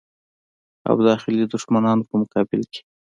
او داخلي دښمنانو په مقابل کې.